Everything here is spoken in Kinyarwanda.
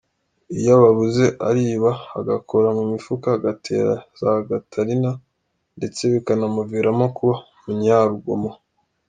Iyo ababuze ariba, agakora mu mifuka, agatera za gatarina, ndetse bikanamuviramo kuba umunyarugomo.